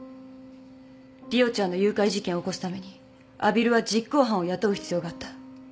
梨央ちゃんの誘拐事件を起こすために阿比留は実行犯を雇う必要があった。